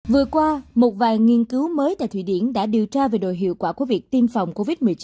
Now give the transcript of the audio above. vừa qua một vài nghiên cứu mới tại thụy điển đã điều tra về đội hiệu quả của việc tiêm phòng covid một mươi chín